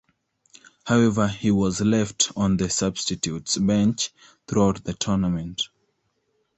However, he was left on the substitutes bench throughout the tournament.